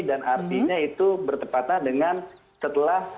dan artinya itu bertepatan dengan setelah